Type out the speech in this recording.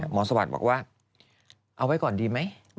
สวัสดิ์บอกว่าเอาไว้ก่อนดีไหม